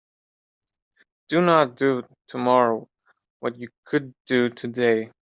Do not do tomorrow what you could do today.